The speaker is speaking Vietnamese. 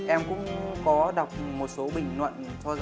em cũng có đọc một số bình luận